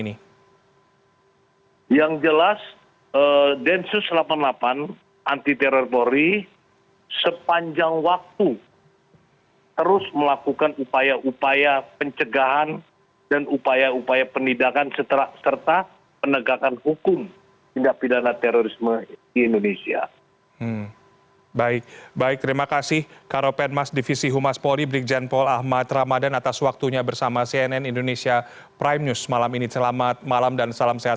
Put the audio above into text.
kami akan mencari penangkapan teroris di wilayah hukum sleman